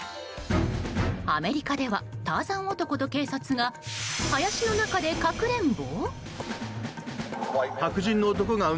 アメリカではターザン男と警察が林の中でかくれんぼ？